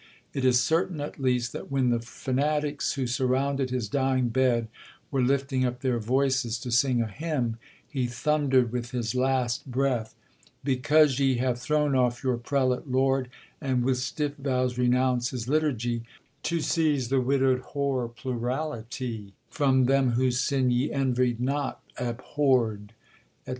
It is certain, at least, that when the fanatics who surrounded his dying bed were lifting up their voices to sing a hymn, he thundered with his last breath, 'Because ye have thrown off your prelate lord, And with stiff vows renounce his Liturgy, To seize the widowed w— e pluralitie, From them whose sin ye envied not, abhorr'd,' &c.'